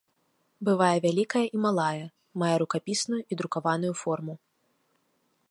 Бывае вялікая і малая, мае рукапісную і друкаваную форму.